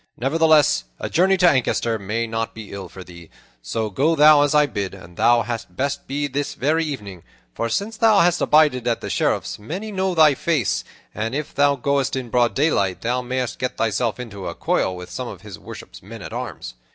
Nevertheless, a journey to Ancaster may not be ill for thee; so go thou, as I bid, and thou hadst best go this very evening, for since thou hast abided at the Sheriff's many know thy face, and if thou goest in broad daylight, thou mayst get thyself into a coil with some of his worship's men at arms.